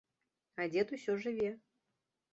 А дзед усё жыве.